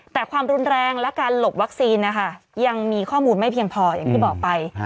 แต่ความรุนแรงและการหลบวัคซีนนะคะยังมีข้อมูลไม่เพียงพออย่างที่บอกไป